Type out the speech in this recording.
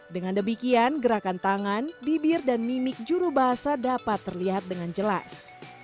dengan demikian gerakan tangan bibir dan mimik juru bahasa dapat terlihat dengan jelas